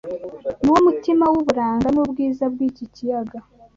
Ni wo mutima w’uburanga n’ubwiza bw’iki kiyaga